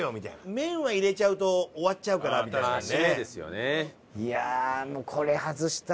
麺は入れちゃうと終わっちゃうからみたいな感じで。